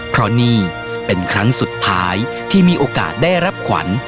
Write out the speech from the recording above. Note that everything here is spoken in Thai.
เพราะนี่เป็นครั้งสุดท้ายที่มีโอกาสได้รับขวัญ